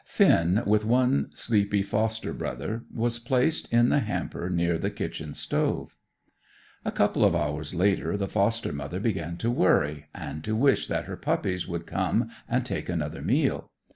Finn, with one sleepy foster brother, was replaced in the hamper near the kitchen stove. A couple of hours later, the foster mother began to worry, and to wish that her puppies would come and take another meal.